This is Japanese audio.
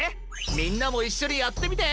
みんなもいっしょにやってみて！